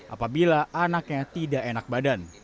apabila anaknya tidak enak badan